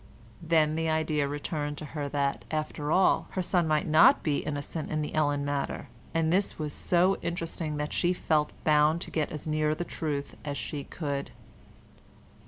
Then the idea returned to her that, after all, her son might not be innocent in the Ellen matter—and this was so interesting that she felt bound to get as near the truth as she could.